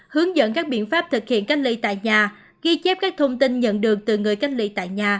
hướng dẫn các biện pháp thực hiện canh lý tại nhà ghi chép các thông tin nhận được từ người canh lý tại nhà